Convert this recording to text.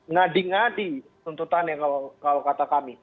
ngadi ngadi tuntutannya kalau kata kami